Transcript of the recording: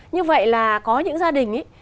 như vậy là có những gia đình ấy